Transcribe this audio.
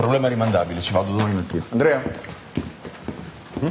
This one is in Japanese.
うん？